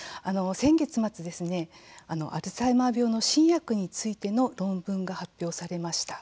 先月末、アルツハイマー病の新薬についての論文が発表されました。